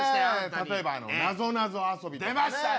例えばなぞなぞ遊びとか。